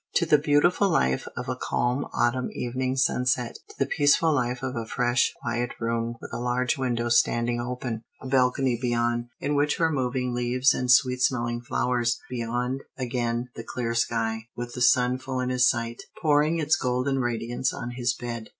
To the beautiful life of a calm autumn evening sunset, to the peaceful life of a fresh, quiet room with a large window standing open; a balcony beyond, in which were moving leaves and sweet smelling flowers; beyond, again, the clear sky, with the sun full in his sight, pouring its golden radiance on his bed.